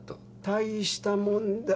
たいしたもんだ。